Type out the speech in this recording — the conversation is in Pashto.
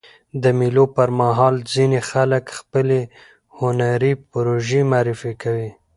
د مېلو پر مهال ځيني خلک خپلي هنري پروژې معرفي کوي.